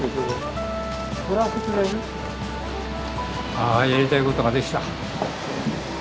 ああやりたいことができた。